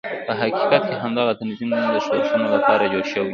په حقیقت کې همدغه تنظیم د ښورښونو لپاره جوړ شوی و.